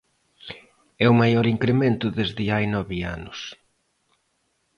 É o maior incremento desde hai nove anos.